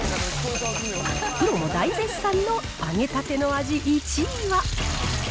プロも大絶賛の揚げたての味１位は。